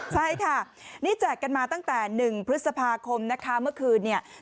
ใช่ค่ะนี่แจกกันมาตั้งแต่๑พฤษภาคมนะคะเมื่อคืนเนี่ย